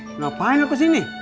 kenapa lo kesini